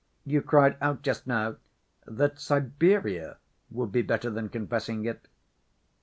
You cried out, just now, that Siberia would be better than confessing it